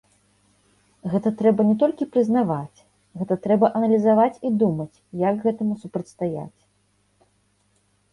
Гэта трэба не толькі прызнаваць, гэта трэба аналізаваць і думаць, як гэтаму супрацьстаяць.